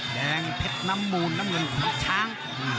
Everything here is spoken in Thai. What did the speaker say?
แดงเผ็ดน้ำมูลน้ำเงินคุณช้าง